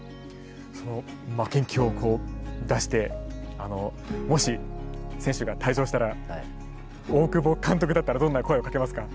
その負けん気を出してもし選手が退場したら大久保監督だったらどんな声をかけますか？